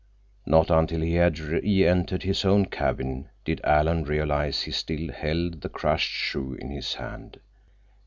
Not until he had reentered his own cabin did Alan realize he still held the crushed shoe in his hand.